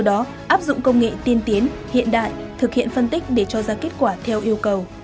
đó áp dụng công nghệ tiên tiến hiện đại thực hiện phân tích để cho ra kết quả theo yêu cầu